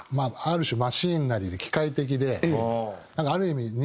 ある種マシーンなりで機械的でなんかある意味